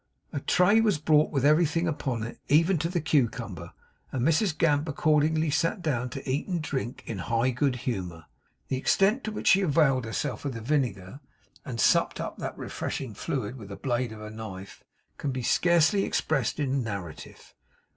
A tray was brought with everything upon it, even to the cucumber and Mrs Gamp accordingly sat down to eat and drink in high good humour. The extent to which she availed herself of the vinegar, and supped up that refreshing fluid with the blade of her knife, can scarcely be expressed in narrative.